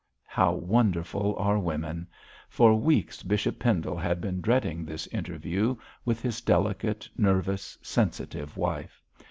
"' How wonderful are women! For weeks Bishop Pendle had been dreading this interview with his delicate, nervous, sensitive wife.